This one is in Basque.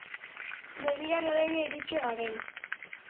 Begira noraino iritsi garen.